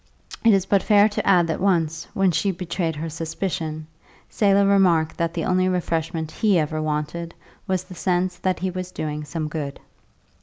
It is but fair to add that once, when she betrayed her suspicion, Selah remarked that the only refreshment he ever wanted was the sense that he was doing some good.